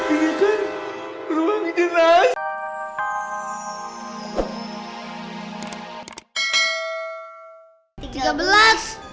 ini kan ruang jelas